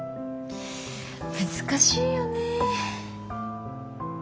難しいよね。